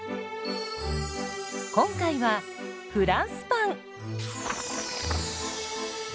今回はフランスパン。